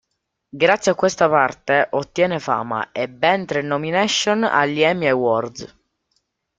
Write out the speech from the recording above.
Grazie a questa parte ottiene fama e ben tre nomination agli Emmy Awards.